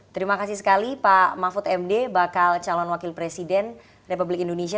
terima kasih sekali pak mahfud md bakal calon wakil presiden republik indonesia